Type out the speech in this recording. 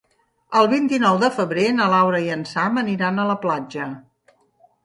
El vint-i-nou de febrer na Laura i en Sam aniran a la platja.